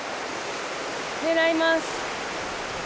狙います。